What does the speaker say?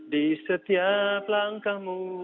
di setiap langkahmu